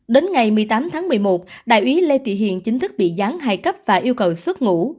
đến ngày một mươi tám tháng một mươi một đại úy lê thị hiền chính thức bị gián hai cấp và yêu cầu xuất ngũ